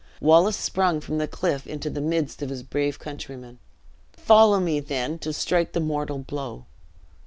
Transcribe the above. Wallace sprung from the cliff into the midst of his brave countrymen. "Follow me, then, to strike the mortal blow!"